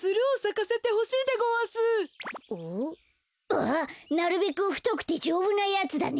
ああなるべくふとくてじょうぶなやつだね。